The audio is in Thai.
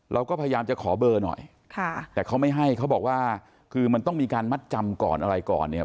เราก็พยายามจะขอเบอร์หน่อยค่ะแต่เขาไม่ให้เขาบอกว่าคือมันต้องมีการมัดจำก่อนอะไรก่อนเนี่ย